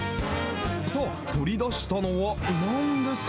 さあ、取り出したのは、なんですか？